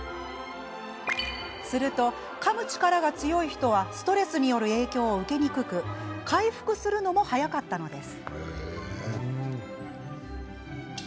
すると、かむ力が強い人はストレスによる影響を受けにくく回復するのも早かったのです。